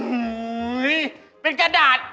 หื้อเป็นกระดาษ